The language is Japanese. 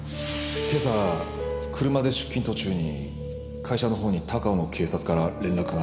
今朝車で出勤途中に会社のほうに高尾の警察から連絡があったと聞きまして。